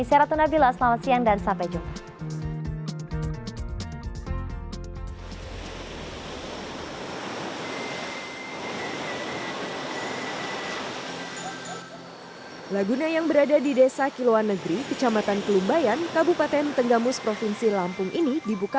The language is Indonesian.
saya ratna bila selamat siang dan sampai jumpa